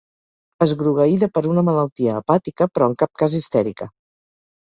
Esgrogueïda per una malaltia hepàtica, però en cap cas histèrica.